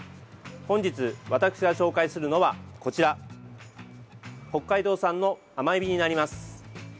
本日、私が紹介するのは北海道産の甘えびになります。